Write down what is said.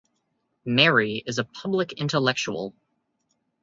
Mary is a public intellectual.